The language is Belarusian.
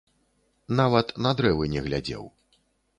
Нават на дрэвы не глядзеў.